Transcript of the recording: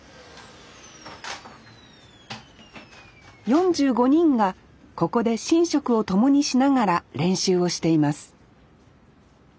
４５人がここで寝食を共にしながら練習をしています。